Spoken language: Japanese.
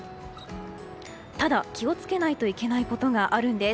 ただ、気を付けないといけないことがあるんです。